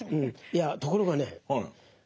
いやところがね